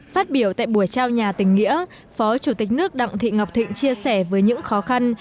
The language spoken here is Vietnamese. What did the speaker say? phát biểu tại buổi trao nhà tỉnh nghĩa phó chủ tịch nước đặng thị ngọc thịnh chia sẻ với những khó khăn